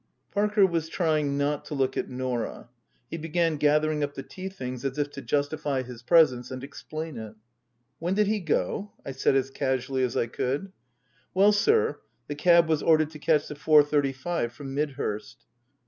Parker was trying not to look at Norah. He began gathering up the tea things as if to justify his presence and explain it. " When did he go ?" I said as casually as I could. " Well, sir the cab was ordered to catch the four thirty five from Midhurst."